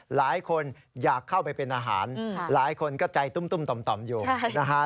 หลายคนอยากเข้าไปเป็นอาหารหลายคนก็ใจตุ้มต่อมอยู่นะฮะ